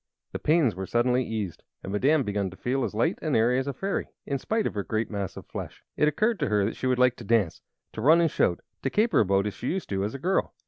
The pains were suddenly eased, and Madame began to feel as light and airy as a fairy, in spite of her great mass of flesh. It occurred to her that she would like to dance; to run and shout, to caper about as she used to do as a girl.